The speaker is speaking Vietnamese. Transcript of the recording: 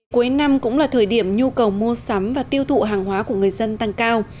cuối năm cũng là thời điểm nhu cầu mua sắm và tiêu thụ hàng hóa của người dân tăng cao